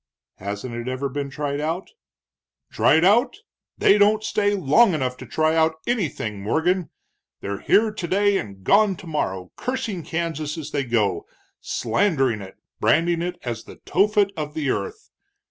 "Hasn't it ever been tried out?" "Tried out? They don't stay long enough to try out anything, Morgan. They're here today and gone tomorrow, cursing Kansas as they go, slandering it, branding it as the Tophet of the earth.